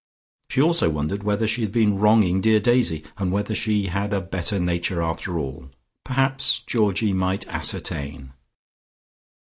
She also wondered whether she had been wronging dear Daisy, and whether she had a better nature after all. Perhaps Georgie might ascertain.